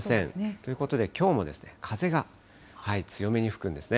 ということで、きょうも風が強めに吹くんですね。